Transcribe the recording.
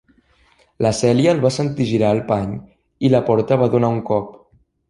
La Cèlia el va sentir girar al pany i la porta va donar un cop.